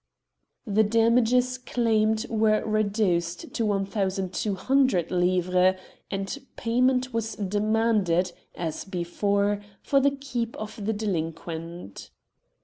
The damages claimed were reduced to 1 200 livres, and payment was demanded, as before, for the keep of the delinquent.